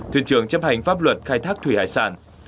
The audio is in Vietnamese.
thuyền trưởng chấp hành pháp luật khai thác thủy hải sản